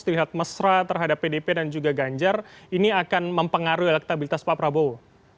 terlihat mesra terhadap pdp dan juga ganjar ini akan mempengaruhi elektabilitas pak prabowo